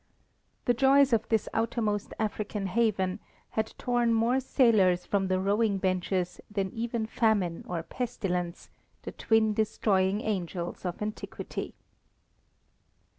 The joys of this outermost African haven had torn more sailors from the rowing benches than even famine or pestilence, the twin destroying angels of antiquity.